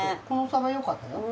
このサバよかった。